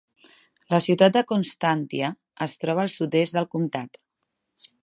La ciutat de Constantia es troba al sud-est del comtat.